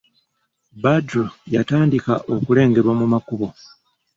Badru yatandika okulengerwa mu makubo.